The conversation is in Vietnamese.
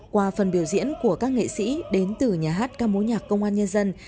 qua phần biểu diễn của các nghệ sĩ đến từ nhà hát ca mối nhạc công an nhân dân